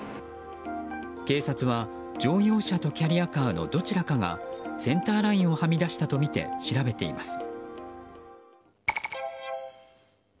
警察は、乗用車とキャリアカーのどちらかがセンターラインをはみ出したとみて調べています。